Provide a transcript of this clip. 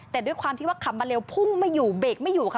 แต่ด้วยความที่ว่าขับมาเร็วพุ่งไม่อยู่เบรกไม่อยู่ค่ะ